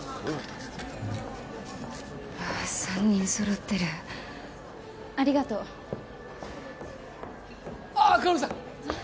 ３人揃ってるありがとうああ薫さん